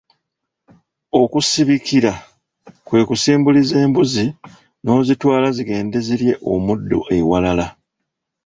Okusibikira kwe kusimbuliza embuzi n'ozitwala zigende zirye omuddo ewalala.